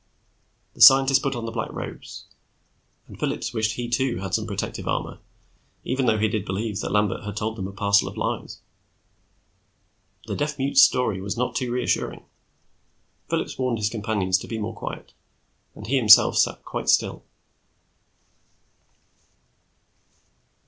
The scientist put on the black robes, and Phillips wished he too had some protective armor, even though he did believe that Lambert had told them a parcel of lies. The deaf mute's story was not too reassuring. Phillips warned his companions to be more quiet, and he himself sat quite still.